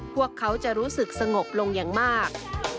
พวกเขาจะรู้สึกสงบลงอย่างมาก